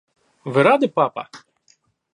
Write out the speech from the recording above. Вы рады, папа?